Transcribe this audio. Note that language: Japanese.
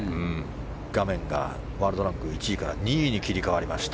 画面がワールドランク１位から２位に切り替わりました。